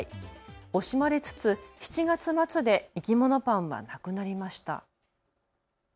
惜しまれつつ、７月末でいきものパンはなくなりました。